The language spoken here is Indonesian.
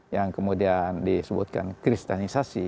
yang kemudian disebutkan kristianisasi